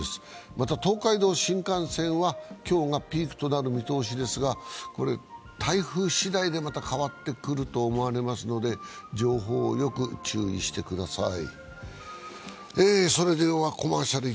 また東海道新幹線は今日がピークとなる見通しですが台風しだいでまた、変わってくると思われますので情報をよく注意してください。